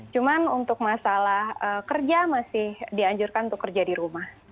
cuman untuk masalah kerja masih dianjurkan untuk kerja di rumah